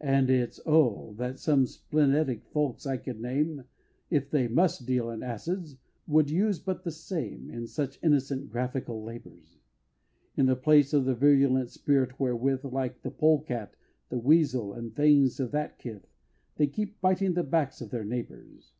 And it's, oh! that some splenetic folks I could name If they must deal in acids would use but the same, In such innocent graphical labors! In the place of the virulent spirit wherewith Like the polecat, the weasel, and things of that kith They keep biting the backs of their neighbors!